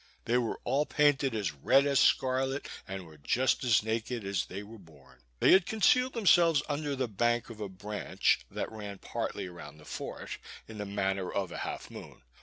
They were all painted as red as scarlet, and were just as naked as they were born. They had concealed themselves under the bank of a branch, that ran partly around the fort, in the manner of a half moon.